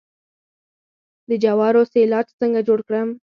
د جوارو سیلاج څنګه جوړ کړم؟